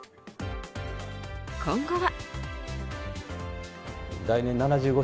今後は。